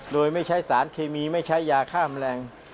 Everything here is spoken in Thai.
โดยไม่ใช้สารเคมีไม่ใช้ยาฆ่าแมลง